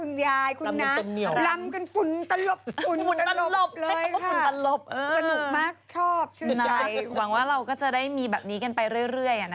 น่ารักน้องไม่มีที่ยืนเลย